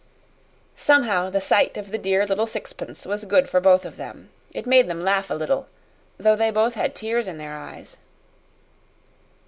Somehow the sight of the dear little sixpence was good for both of them. It made them laugh a little, though they both had tears in their eyes.